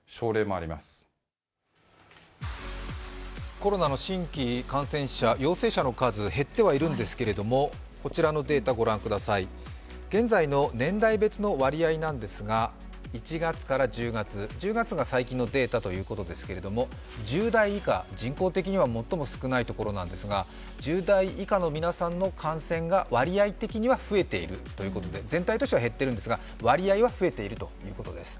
コロナの新規感染者、陽性者の数、減ってはいるんですけれども、現在の年代別の割合なんですが１月から１０月、１０月が最近のデータということですが１０代以下、人口的には最も少ないところなんですが、１０代以下の皆さんの感染が割合的には増えているということで、全体的には減っているんですが割合は増えているということです。